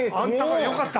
◆よかった。